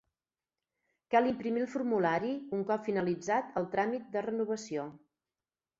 Cal imprimir el formulari un cop finalitzat el tràmit de renovació.